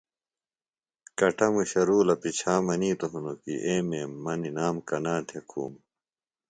کٹموشہ رُولہ پچھا منِیتوۡ ہنوۡ کیۡ اے میم مہ نِئام کنا تھےۡ کُھوم